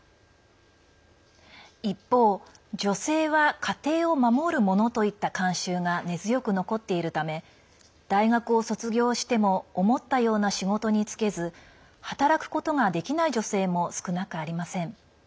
一方、女性は家庭を守るものといった慣習が根強く残っているため大学を卒業しても思ったような仕事に就けず働くことができない女性も少なくありません。